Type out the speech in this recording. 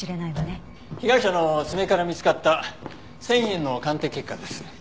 被害者の爪から見つかった繊維片の鑑定結果です。